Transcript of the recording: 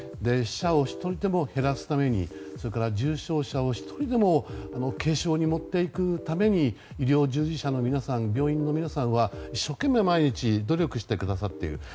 死者を１人でも減らすために重症者を１人でも軽症に持っていくために医療従事者の皆さん病院の皆さんは一生懸命、毎日努力してくださっている。